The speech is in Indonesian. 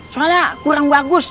soalnya kurang bagus